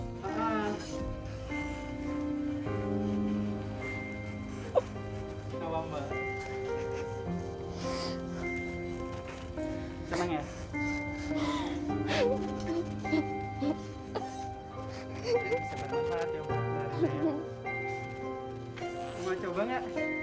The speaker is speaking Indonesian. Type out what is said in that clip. semangat ya semangat